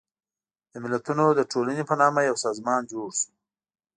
د ملتونو د ټولنې په نامه یو سازمان جوړ شو.